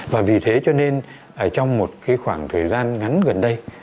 và vì thế cho nên trong một khoảng thời gian ngắn gần đây